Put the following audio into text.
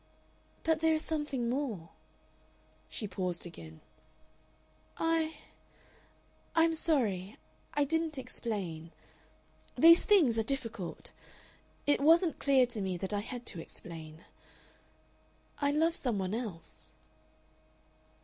"But there is something more." She paused again. "I I am sorry I didn't explain. These things are difficult. It wasn't clear to me that I had to explain.... I love some one else."